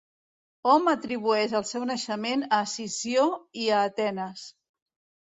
Hom atribueix el seu naixement a Sició i a Atenes.